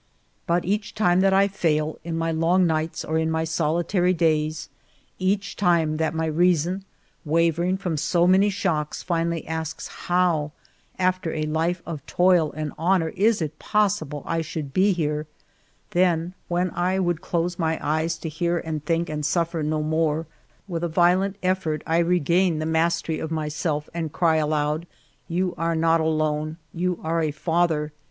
But each time that I fail, in my long nights or in my solitary days, each time that my reason, wavering from so many shocks, finally asks how, after a life of toil and honor, it is possible I should be here, then, when I would close my eyes to hear and think and suffer no more, with a vio lent effort I regain the mastery of myself, and cry aloud :" You are not alone. You are a father.